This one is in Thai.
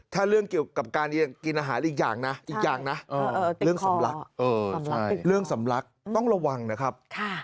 ถ้าเรื่องเกี่ยวกับการกินอาหารอีกอย่างนะเรื่องสำรับต้องระวังนะครับ